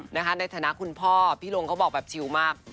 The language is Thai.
ในฐานะคุณพ่อพี่ลงเขาบอกแบบชิวมาก